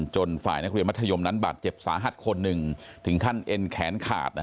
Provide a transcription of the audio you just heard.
ฝ่ายนักเรียนมัธยมนั้นบาดเจ็บสาหัสคนหนึ่งถึงขั้นเอ็นแขนขาด